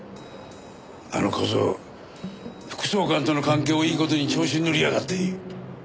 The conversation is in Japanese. あの小僧副総監との関係をいい事に調子にのりやがって。